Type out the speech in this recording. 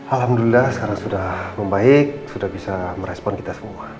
alhamdulillah sekarang sudah membaik sudah bisa merespon kita semua